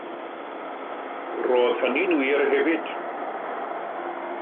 Roedd hynny'n wir hefyd.